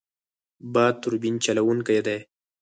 باد توربین چلوونکی دی.